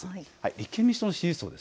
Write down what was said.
立憲民主党の支持層。